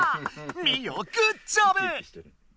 ミオグッジョブ！